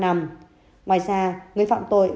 ngoài ra người phạm tội